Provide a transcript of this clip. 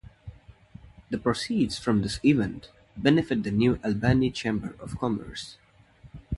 The proceeds from this event benefit the New Albany Chamber of Commerce.